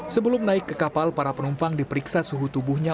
sebelum naik ke kapal para penumpang diperiksa suhu tubuhnya